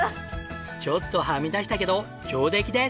ちょっとはみ出したけど上出来です！